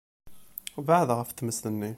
Beɛɛed ɣef tmes-nni.